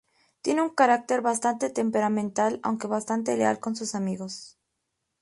Tiene un carácter bastante temperamental, aunque bastante leal con sus amigos.